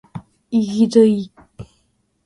いぎだい！！！！